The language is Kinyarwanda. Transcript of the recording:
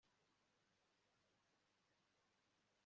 ari byinshi urwango rukaba ari rwinshi cyane